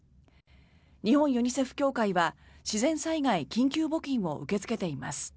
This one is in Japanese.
日本ユニセフ協会は自然災害緊急募金を受け付けています。